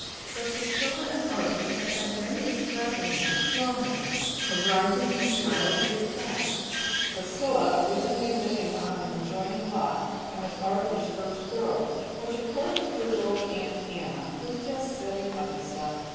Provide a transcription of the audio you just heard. But Priscilla and Arthur had had many a "slapping match" long ago, arising from childhood's spats; Priscilla originally living on an adjoining lot, and was Arthur's "first girl;" which according to his old Aunt Anna, "was just silly puppy stuff!"